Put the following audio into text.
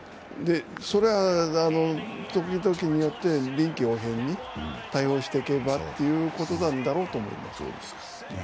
それは時々によって臨機応変に対応していけばということなんだろうと思います。